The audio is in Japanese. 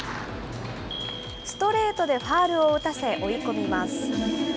ストレートでファウルを打たせ、追い込みます。